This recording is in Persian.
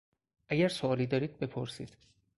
اگر سئوالی دارید بپرسید!